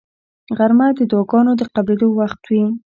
غرمه د دعاګانو د قبلېدو وخت وي